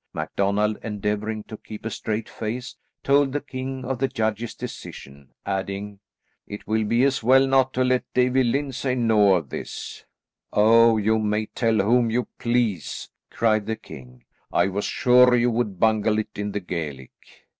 MacDonald, endeavouring to keep a straight face, told the king of the judges' decision, adding, "It will be as well not to let Davie Lyndsay know of this." "Oh, you may tell whom you please," cried the king. "I was sure you would bungle it in the Gaelic."